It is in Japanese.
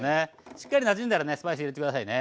しっかりなじんだらスパイス入れて下さいね。